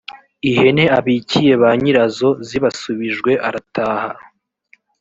ihene abikiye ba nyirazo zibasubijwe arataha.